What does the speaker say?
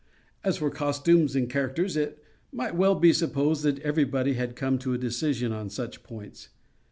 As for costumes and characters, it might well be supposed that everybody had come to a decision on such points.